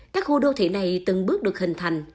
các khu đô thị này từng bước được hình thành